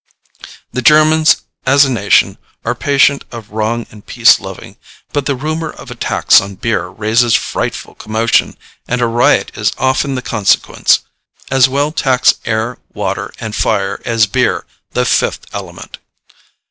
The Germans as a nation are patient of wrong and peace loving, but the rumor of a tax on beer raises a frightful commotion, and a riot is often the consequence. As well tax air, water, and fire as beer, the fifth element.